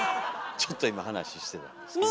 ちょっと今話してたんですよね。